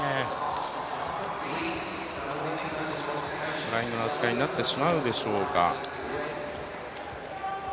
フライングの扱いになってしまうでしょうか。